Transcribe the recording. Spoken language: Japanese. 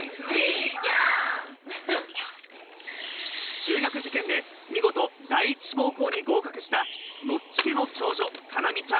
中学受験で見事、第１志望校に合格したノッチ家の長女・叶望ちゃん。